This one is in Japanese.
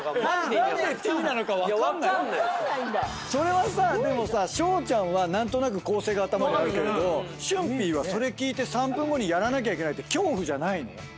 それはさでもさしょうちゃんは何となく構成が頭にあるけどしゅんぴーはそれ聞いて３分後やらなきゃいけないって恐怖じゃないの？